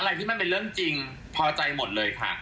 ที่มันเป็นเรื่องจริงพอใจหมดเลยค่ะ